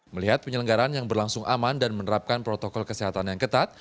melihat penyelenggaran yang berlangsung aman dan menerapkan protokol kesehatan yang ketat